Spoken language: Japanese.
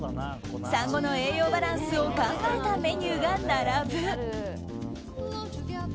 サンゴの栄養バランスを考えたメニューが並ぶ。